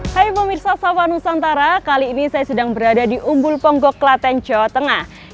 hai pemirsa sopanusantara kali ini saya sedang berada di umbul ponggok klaten jawa tengah